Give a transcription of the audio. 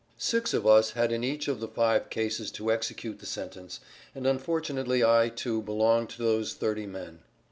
Six of us had in each of the five cases to execute the sentence, and unfortunately I, too, belonged to those thirty men.